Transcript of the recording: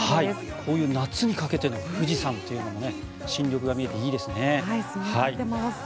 こういう夏にかけての富士山というのは新緑が見えていいですね。